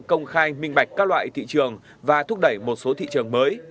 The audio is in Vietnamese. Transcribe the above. công khai minh bạch các loại thị trường và thúc đẩy một số thị trường mới